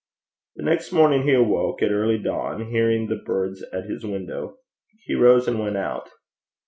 The next morning he awoke at early dawn, hearing the birds at his window. He rose and went out.